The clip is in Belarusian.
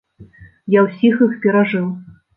Я усіх іх перажыў.